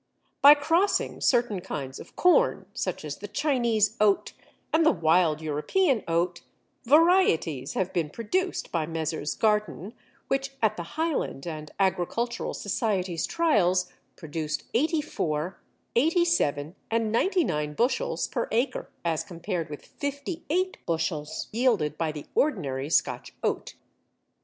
By crossing certain kinds of corn, such as the Chinese Oat and the wild European Oat, varieties have been produced by Messrs. Garton which at the Highland and Agricultural Society's trials produced 84, 87, and 99 bushels per acre, as compared with 58 bushels yielded by the ordinary Scotch Oat.